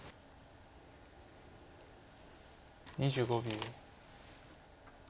２５秒。